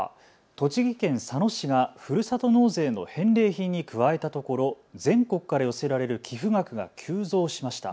栃木県佐野市がふるさと納税の返礼品に加えたところ全国から寄せられる寄付額が急増しました。